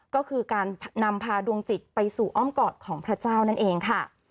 ก็คือการนำพาดวงจิตไปสู่อ้อมกอดของพระเจ้านั่นเองค่ะ